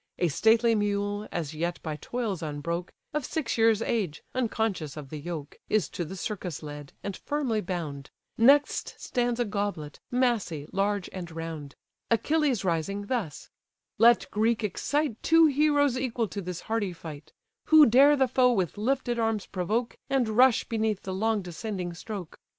A stately mule, as yet by toils unbroke, Of six years' age, unconscious of the yoke, Is to the circus led, and firmly bound; Next stands a goblet, massy, large, and round. Achilles rising, thus: "Let Greece excite Two heroes equal to this hardy fight; Who dare the foe with lifted arms provoke, And rush beneath the long descending stroke.